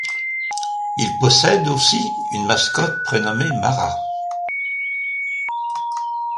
Il possède aussi une mascotte prénommée Mara.